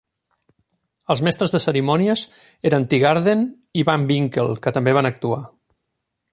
Els mestres de cerimònies eren Teegarden i Van Winkle, que també van actuar.